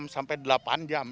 enam sampai delapan jam